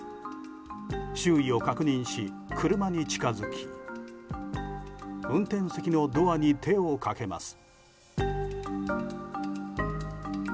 周囲を確認し、車に近づき運転席のドアに手をかけます。